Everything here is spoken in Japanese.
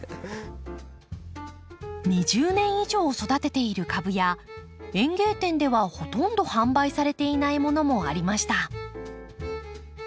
２０年以上育てている株や園芸店ではほとんど販売されていないものもありました。